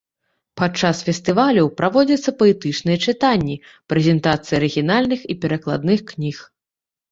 Падчас фестывалю праводзяцца паэтычныя чытанні, прэзентацыі арыгінальных і перакладных кніг.